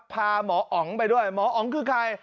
พาหมออ๋องไปด้วยหมออ๋องคือใคร